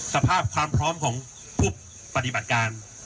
สภาพความพร้อมของผู้ปฏิบัติการ